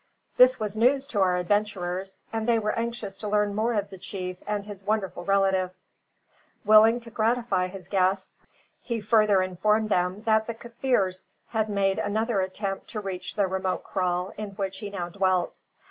This was news to our adventurers, and they were anxious to learn more of the chief and his wonderful relative. Willing to gratify his guests, he further informed them that the Kaffirs had made another attempt to reach the remote kraal in which he now dwelt.